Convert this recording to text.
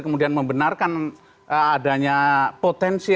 kemudian membenarkan adanya potensi